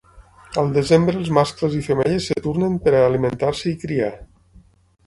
Al desembre els mascles i femelles es tornen per a alimentar-se i criar.